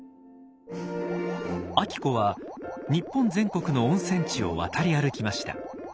晶子は日本全国の温泉地を渡り歩きました。